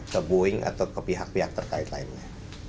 ke boeing atau ke pihak pihak terkait lainnya